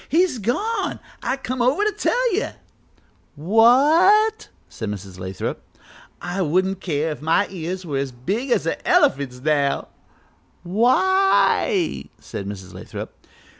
"He's gone; I come over to tell you." "What " said Mrs. Lathrop. "I wouldn't care if my ears was as big as a elephant's now." "Why " asked Mrs. Lathrop.